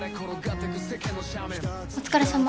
お疲れさま。